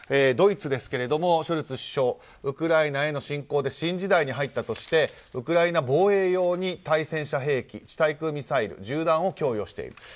ドイツですけれどもショルツ首相ウクライナへの侵攻で新時代に入ったということでウクライナ防衛用に対戦車兵器、地対空ミサイル銃弾を供与している。